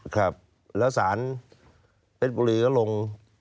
ครับแล้วสารเพชรบุรีก็ลง